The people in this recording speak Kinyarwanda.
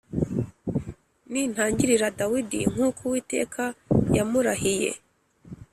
Nintagirira Dawidi nk’uko Uwiteka yamurahiye